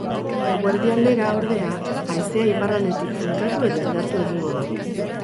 Eguerdi aldera, ordea, haizea iparraldetik finkatu eta indartu egingo da.